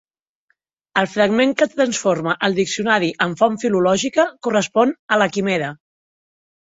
El fragment que transforma el diccionari en font filològica correspon a “La Quimera”.